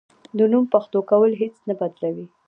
د نوم پښتو کول هیڅ نه بدلوي.